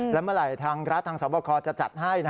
แล้วเมื่อไรรัฐทางสารบังคลจะจัดให้